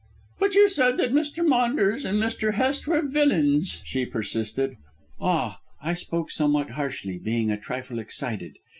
"But you said that Mr. Maunders and Mr. Hest were villains," she persisted. "Ah, I spoke somewhat harshly, being a trifle excited.